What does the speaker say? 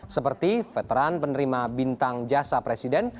seperti veteran penerima bintang jasa presiden